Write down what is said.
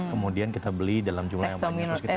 kemudian kita beli dalam jumlah yang banyak